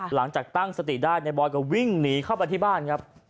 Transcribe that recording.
หลังจากตั้งสติได้ในบอยก็วิ่งหนีเข้าไปที่บ้านครับ